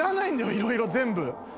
いろいろ全部。